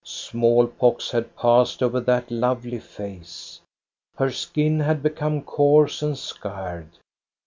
Small pox had passed over that lovely face. Her skin had become coarse and scarred.